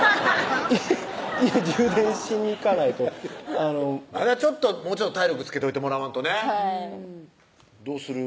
家充電しに行かないとまだもうちょっと体力つけといてもらわんとねどうする？